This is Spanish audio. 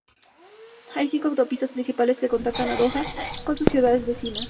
Hay cinco autopistas principales que conectan a Doha con sus ciudades vecinas.